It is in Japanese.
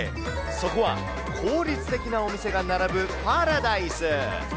そこは効率的なお店が並ぶパラダイス。